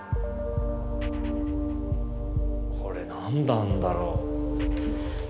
これ何なんだろう？